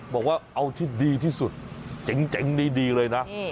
บอกว่าเอาที่ดีที่สุดเจ๋งดีเลยนะ